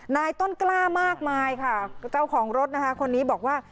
ต้นกล้ามากมายค่ะเจ้าของรถนะคะคนนี้บอกว่า